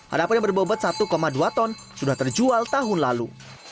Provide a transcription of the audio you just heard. adapun yang berbobot satu dua ton sudah terjual tahun lalu